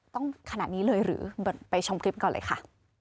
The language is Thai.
ต้องขนาดนี้เลยหรือไปชมคลิปก่อนเลยค่ะ